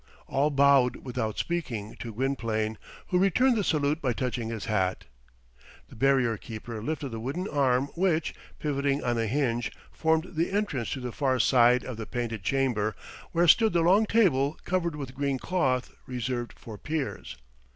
All bowed, without speaking, to Gwynplaine, who returned the salute by touching his hat. The barrier keeper lifted the wooden arm which, pivoting on a hinge, formed the entrance to the far side of the Painted Chamber, where stood the long table, covered with green cloth, reserved for peers.